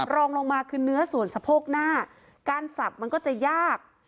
รองลงมาคือเนื้อส่วนสะโพกหน้าการสับมันก็จะยาก